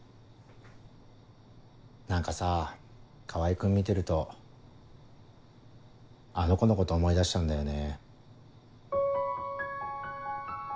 何かさ川合君見てるとあの子のこと思い出しちゃうんだよね。